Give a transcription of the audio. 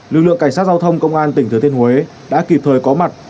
lực lượng cảnh sát giao thông công an tỉnh thừa thiên huế đã kịp thời có mặt